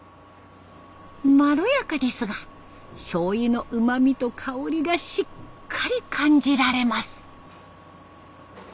まろやかですがしょうゆのうまみと香りがしっかり感じられます。